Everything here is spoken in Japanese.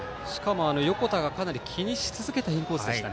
横田が気にし続けたインコースでした。